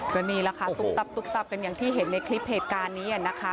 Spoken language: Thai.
ก็นี่แล้วครับตุ๊กตับตุ๊กตับเป็นที่เห็นในคลิปเพจการณ์นี้นะคะ